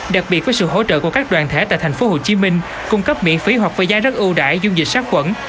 đặc biệt với sự hỗ trợ của các đoàn thể tại thành phố hồ chí minh cung cấp miễn phí hoặc về giai đất ưu đại dung dịch sát quẩn